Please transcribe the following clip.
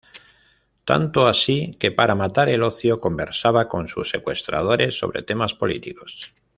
Tanto así, que para matar el ocio conversaba con sus secuestradores sobre temas políticos.